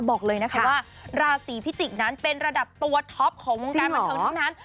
บอกเลยนะคะว่าราศีพิจิกษ์นั้นเป็นระดับตัวท็อปของวงการบันเทิงทั้งนั้น